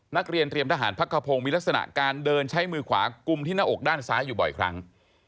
นักเรียนเตรียมทหารพักขพงศ์มีลักษณะการเดินใช้มือขวากุมที่หน้าอกด้านซ้ายอยู่บ่อยครั้ง